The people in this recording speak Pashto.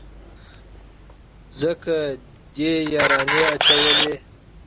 ځکه دې يارانې اچولي.